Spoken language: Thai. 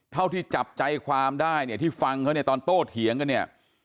เท่าที่จับใจความได้ที่ฟังเขาตอนโต้เถียงกันเนี่ย